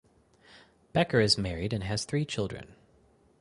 Becker is married and has three children.